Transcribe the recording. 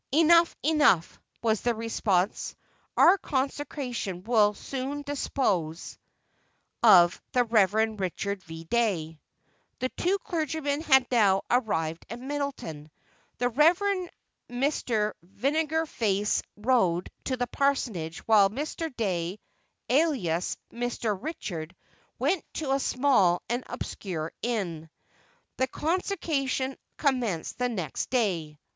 "Enough, enough," was the response. "Our Consociation will soon dispose of the Rev. Richard V. Dey." The two clergymen had now arrived at Middletown. The Rev. Mr. Vinegarface rode to the parsonage while Mr. Dey, alias "Mr. Richard," went to a small and obscure inn. The Consociation commenced the next day.